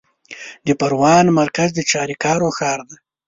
د پروان مرکز د چاریکارو ښار دی